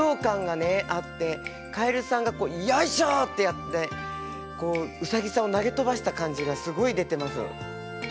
カエルさんが「よいしょ！」ってやってこうウサギさんを投げ飛ばした感じがすごい出てます。